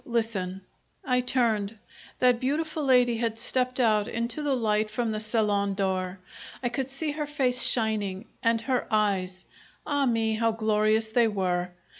Listen!" I turned. That beautiful lady had stepped out into the light from the salon door. I could see her face shining, and her eyes ah me, how glorious they were!